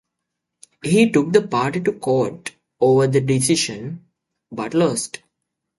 He took the party to court over the decision, but lost.